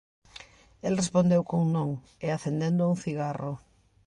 El respondeu cun non, e acendendo un cigarro.